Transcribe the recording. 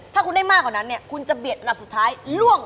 ถ้าคุณได้มากกว่านั้นเนี่ยคุณจะเบียดอันดับสุดท้ายล่วง